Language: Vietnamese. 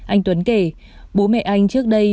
anh tuấn kể bố mẹ anh trước đây